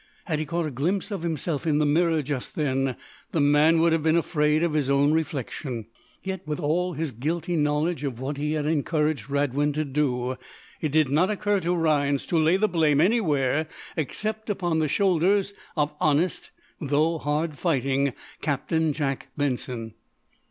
Had he caught a glimpse of himself in the mirror, just then, the man would have been afraid of his own reflection. Yet, with all his guilty knowledge of what he had encouraged Radwin to do, it did not occur to Rhinds to lay the blame anywhere except upon the shoulders of honest, though hard fighting, Captain Jack Benson.